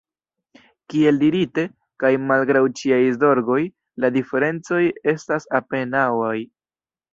Kiel dirite, kaj malgraŭ ĉiaj zorgoj, la diferencoj estas apenaŭaj.